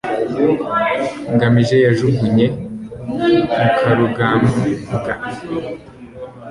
ngamije yajugunye mukarugambwa